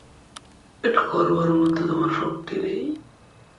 এটা করবার মতো তোমার শক্তি নেই।